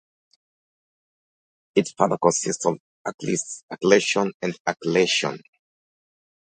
It further consists of alkylation and acylation.